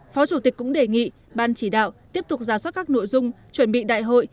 phó chủ tịch cũng đề nghị ban chỉ đạo tiếp tục ra soát các nội dung chuẩn bị đại hội